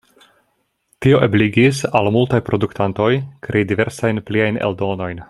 Tio ebligis al multaj produktantoj krei diversajn pliajn eldonojn.